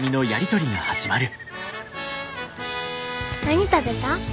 「何食べた？